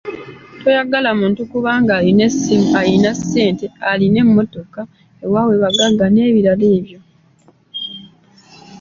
Toyagala muntu kubanga alina essimu, alina ssente, alina mmotoka, ewaabwe bagagga n'ebiringa ebyo.